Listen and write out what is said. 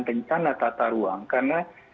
bencana tata ruang karena